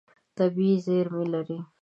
طبیعت زېرمې لري.